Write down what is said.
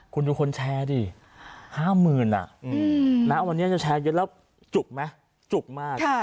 คุณดูคนแชร์ดิ๕๐๐๐วันนี้จะแชร์เยอะแล้วจุกไหมจุกมาก